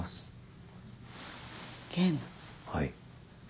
はい。